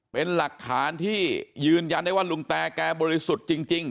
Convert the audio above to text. เป็นหลักฐานที่ยืนยันได้ว่าลุงแตแกบริสุทธิ์จริง